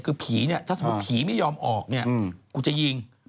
คือผีเนี่ยถ้าสมมุติผีไม่ยอมออกเนี่ยกูจะยิง